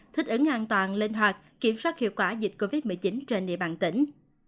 thích ứng an toàn linh hoạt kiểm soát hiệu quả dịch covid một mươi chín trên địa bàn tỉnh